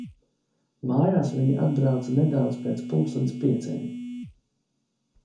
Mājās viņa atbrauca nedaudz pēc pulksten pieciem.